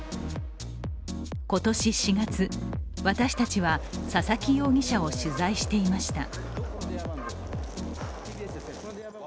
今年４月、私たちは佐々木容疑者を取材していました。